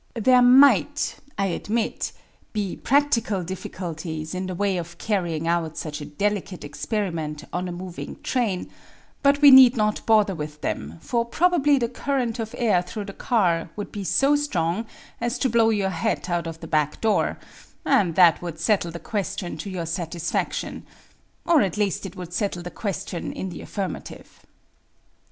There might, I admit, be practical difficulties in the way of carrying out such a delicate experiment on a moving train, but we need not bother with them, for probably the current of air through the car would be so strong as to blow your hat out of the back door and that would settle the question to your satisfaction — or at least it would settle the question in the affirma tive.